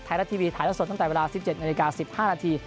ไทยรัดทีวีถ่ายรัดสดตั้งแต่เวลา๑๗นาที๑๕นาที